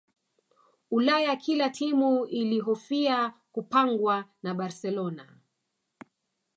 ulaya kila timu ilihofia kupangwa na barcelona